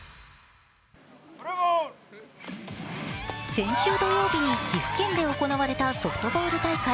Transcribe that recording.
先週土曜日に岐阜県で行われたソフトボール大会。